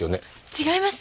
違います！